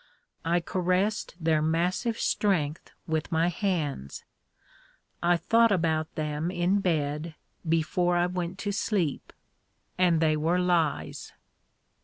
I caressed their massive strength with my hands. I thought about them in bed, before I went to sheep. And they were lies.